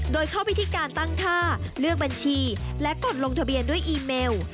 โดยเข้าไปที่การตั้งท่าเลือกบัญชีและกดลงทะเบียนด้วยอีเมล